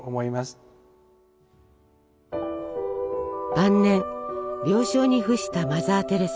晩年病床に伏したマザー・テレサ。